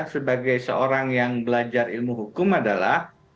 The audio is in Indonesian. sebagai seorang yang belajar ilmu hukum adalah